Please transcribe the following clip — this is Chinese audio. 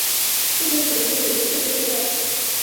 附近的许多建筑也被碎片破坏。